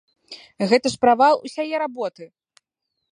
Гэта ж правал усяе работы!